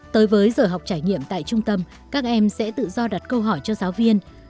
tới với giờ học trải nghiệm tại trung tâm các em sẽ tự do đặt câu hỏi cho giáo viên